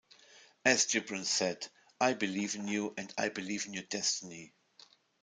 As Gibran said, I believe in you, and I believe in your destiny.